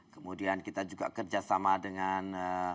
kemudian kita juga kerjasama dengan